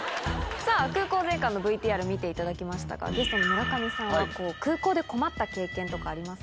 さぁ空港税関のＶＴＲ見ていただきましたがゲストの村上さんは空港で困った経験とかありますか？